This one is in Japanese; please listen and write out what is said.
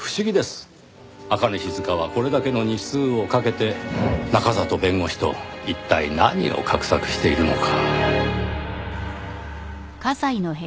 朱音静はこれだけの日数をかけて中郷弁護士と一体何を画策しているのか。